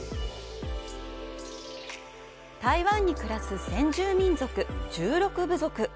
台湾に暮らす先住民族１６部族。